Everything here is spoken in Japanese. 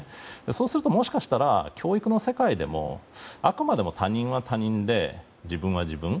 そうするともしかしたら教育の世界でもあくまでも他人は他人で自分は自分。